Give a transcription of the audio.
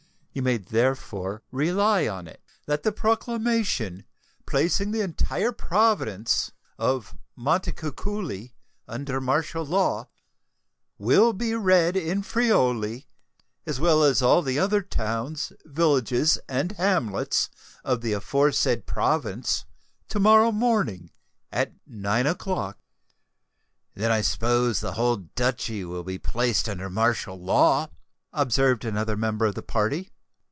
You may therefore rely on it, that the proclamation placing the entire province of Montecuculi under martial law, will be read in Friuli, as well as in all the other towns, villages, and hamlets of the aforesaid province, to morrow morning, at nine o'clock." "Then I suppose the whole Duchy will be placed under martial law?" observed another member of the party.